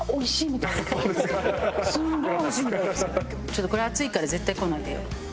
ちょっとこれ熱いから絶対来ないでよ。